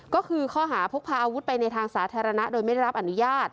ก็คือข้อหาพกพาอาวุธไปในทางสาธารณะโดยไม่ได้รับอนุญาต